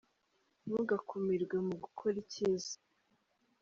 ntugakumirwe mugukora icyiza.